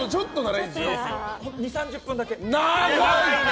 ２０３０分だけ。